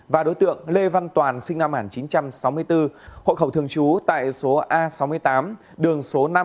và đối tượng lê văn toàn sinh năm một nghìn chín trăm sáu mươi bốn hộ khẩu thường trú tại số a sáu mươi tám đường số năm